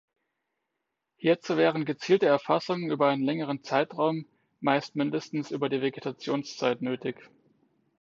Hierzu wären gezielte Erfassungen über einen längeren Zeitraum, meist mindestens über die Vegetationszeit, nötig.